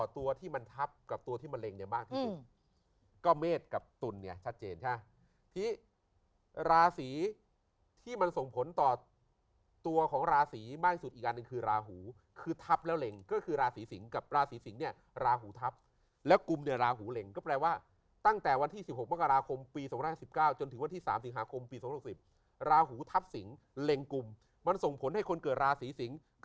ตัวที่มันทับกับตัวที่มันเล็งเนี่ยบ้างที่ก็เมฆกับตุ๋นเนี่ยชัดเจนค่ะที่ราสีที่มันส่งผลต่อตัวของราสีมากที่สุดอีกอันหนึ่งคือราหูคือทับแล้วเล็งก็คือราสีสิงห์กับราสีสิงห์เนี่ยราหูทับแล้วกลุ่มเนี่ยราหูเล็งก็แปลว่าตั้งแต่วันที่๑๖มกราคมปี๒๐๑๙จนถึงวันที่๓ส